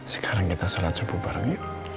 sekarang kita sholat subuh bareng itu